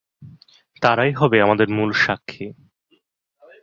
তারাই হবে আমাদের মূল সাক্ষী।